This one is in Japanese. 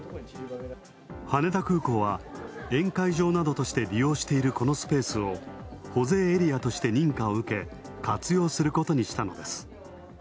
羽田空港は、宴会場などとして利用しているこのスペースを保税エリアとして認可を受け、活用することにしたのです。